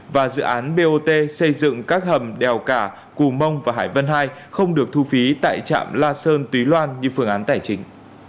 một bảy trăm bốn mươi bảy và dự án bot xây dựng các hầm đèo cả cù mông và hải vân hai không được thu phí tại chạm la sơn tùy loan như phương án tài chính